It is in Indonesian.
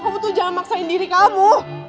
aku tuh jangan maksain diri kamu